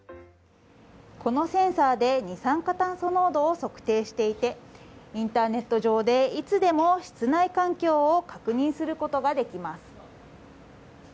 このセンサーで二酸化炭素濃度を測定していてインターネット上でいつでも室内環境を確認することができます。